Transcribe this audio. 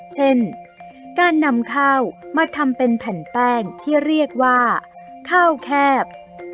เช่นการนำข้าวมาทำเป็นแผ่นแป้งที่เรียกว่าข้าวแคบ